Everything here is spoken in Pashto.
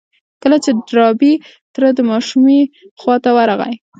کله چې د ډاربي تره د ماشومې خواته ورغی.